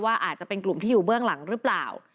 อาจจะเป็นกลุ่มที่อยู่เบื้องหลังหรือเปล่า